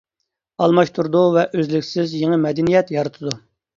ئالماشتۇرىدۇ ۋە ئۈزلۈكسىز يېڭى مەدەنىيەت يارىتىدۇ.